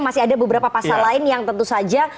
masih ada beberapa pasal lain yang tentu saja